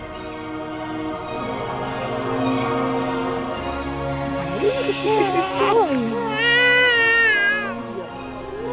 saya rasa udah cukup